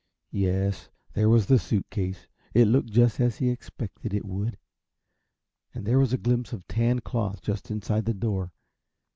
Yes, there was the suit case it looked just as he had expected it would and there was a glimpse of tan cloth just inside the door.